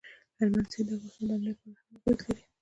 هلمند سیند د افغانستان د امنیت په اړه هم اغېز لري.